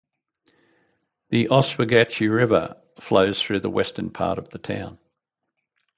The Oswegatchie River flows through the western part of the town.